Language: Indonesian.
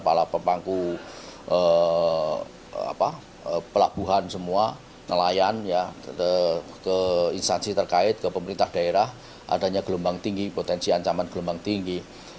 kepala pemangku pelabuhan semua nelayan ke instansi terkait ke pemerintah daerah adanya gelombang tinggi potensi ancaman gelombang tinggi